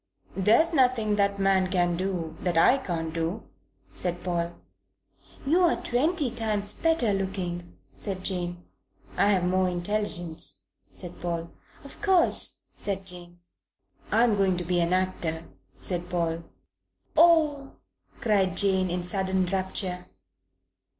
"There's nothing that man can do that I can't do," said Paul. "You're twenty times better looking," said Jane. "I have more intelligence," said Paul. "Of course," said Jane. "I'm going to be an actor," said Paul. "Oh!" cried Jane in sudden rapture.